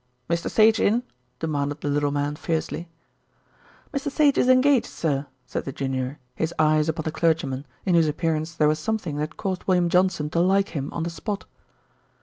"Mr. Sage in?" demanded the little man fiercely. "Mr. Sage is engaged, sir," said the junior, his eyes upon the clergyman, in whose appearance there was something that caused William Johnson to like him on the spot.